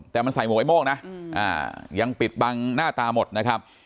แต่มันใส่หมวกไอโม่งนะยังปิดบังหน้าตาหมดนะครับ